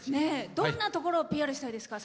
どんなところをＰＲしたいですか？